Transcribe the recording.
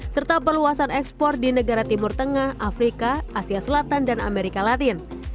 serta perluasan ekspor di negara timur tengah afrika asia selatan dan amerika latin